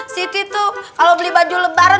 city tuh kalau beli baju lebaran